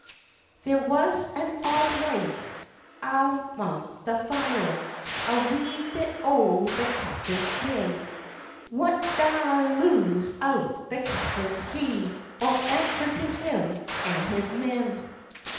There was an auld wife ayont the fire, A wee bit o' the captain's kin— "Wha daur loose out the captain's kye, Or answer to him and his men?"